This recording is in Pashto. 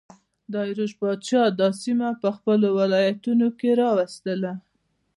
داریوش پاچا دا سیمه په خپلو ولایتونو کې راوستله